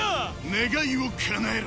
願いをかなえろ